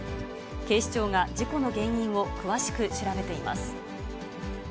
警視庁が事故の原因を詳しく調べています。